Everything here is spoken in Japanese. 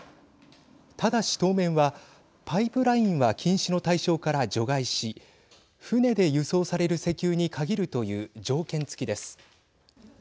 ただし当面はパイプラインは禁止の対象から除外し船で輸送される石油に限るという条件付きです。